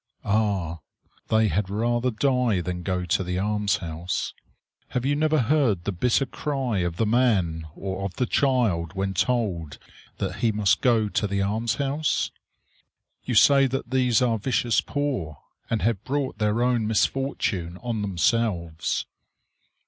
Ah! they had rather die than go to the almshouse. Have you never heard the bitter cry of the man or of the child when told that he must go to the almshouse? You say that these are vicious poor, and have brought their own misfortune on themselves.